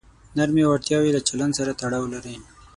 نرمې وړتیاوې له چلند سره تړاو لري.